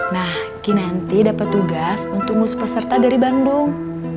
nah ki nanti dapat tugas untuk ngurus peserta dari bandung